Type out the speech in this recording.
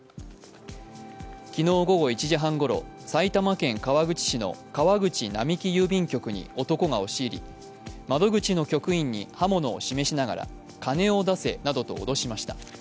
昨日午後１時半ごろ、埼玉県川口市の川口並木郵便局に男が押し入り、窓口の局員に刃物を示しながら金を出せなどと脅しました。